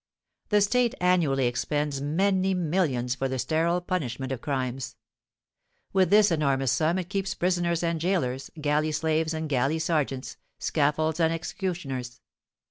The state annually expends many millions for the sterile punishment of crimes. With this enormous sum it keeps prisoners and gaolers, galley slaves and galley sergeants, scaffolds and executioners.